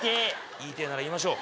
言いてぇなら言いましょう！